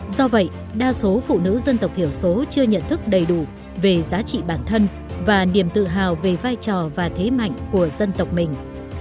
do vậy đa số phụ nữ dân tộc thiểu số chưa nhận thức đầy đủ về giá trị bản thân và niềm tự hào về vai trò và thế mạnh của dân tộc mình